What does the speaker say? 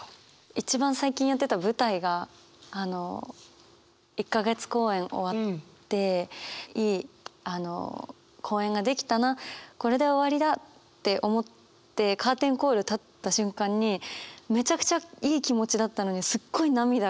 一番最近やってた舞台が１か月公演終わっていい公演ができたなこれで終わりだって思ってカーテンコール立った瞬間にめちゃくちゃいい気持ちだったのにすっごい涙が出てきて。